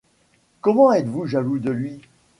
Comment êtes-vous jaloux de Lui ?